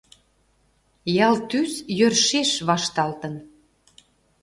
Ял тӱс йӧршеш вашталтын.